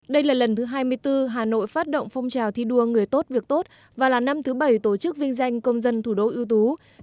đây là lần thứ hai mươi bốn hà nội phát động phong trào thi đua người tốt việc tốt và là năm thứ bảy tổ chức vinh danh công dân thủ đô ưu tú